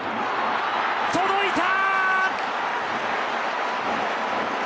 届いた。